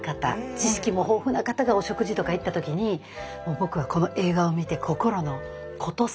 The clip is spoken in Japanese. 知識も豊富な方がお食事とか行った時に「僕はこの映画を見て心のコトセンに」とか。